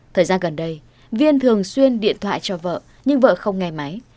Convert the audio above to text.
thời gian gần đây viên thường xuyên điện thoại cho vợ nhưng vợ không nghe máy